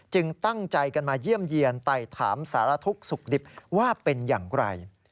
ตั้งใจกันมาเยี่ยมเยี่ยนไต่ถามสารทุกข์สุขดิบว่าเป็นอย่างไร